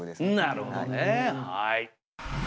なるほどねはい。